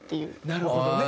なるほどね。